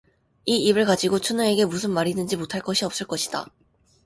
이 입을 가지고 춘우에게 무슨 말이든지 못 할 것이 없을 것이다.